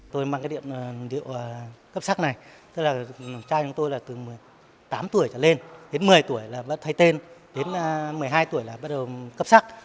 tôi mang điệu cấp sắc này trai của tôi từ một mươi tám tuổi trở lên đến một mươi tuổi là bắt thay tên đến một mươi hai tuổi là bắt đầu cấp sắc